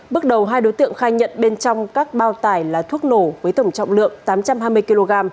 bước đầu hai đối tượng khai nhận bên trong các bao tải là thuốc nổ với tổng trọng lượng tám trăm hai mươi kg